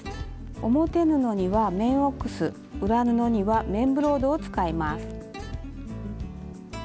表布には綿オックス裏布には綿ブロードを使います。